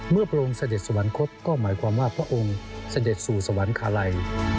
พระองค์เสด็จสวรรคตก็หมายความว่าพระองค์เสด็จสู่สวรรคาลัย